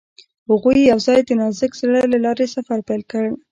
هغوی یوځای د نازک زړه له لارې سفر پیل کړ.